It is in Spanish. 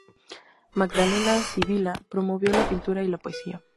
Magdalena Sibila promovió la pintura y la poesía.